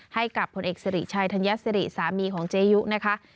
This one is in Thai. ให้กับผลเอกเสรีชายธัญญาเสรีสามีของเจยุนะคะ